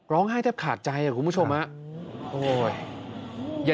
ร้องไห้แทบขาดใจคุณผู้ชมน่ะโอ๊ย